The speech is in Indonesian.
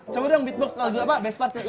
coba dong beatbox lagu apa best partnya